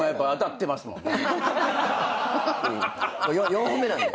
４本目なんで。